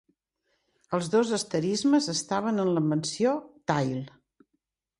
Els dos asterismes estaven en la mansió "Tail".